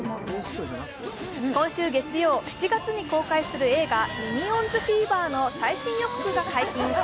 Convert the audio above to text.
今週月曜、７月に公開する映画「ミニオンズフィーバー」の最新予告が解禁。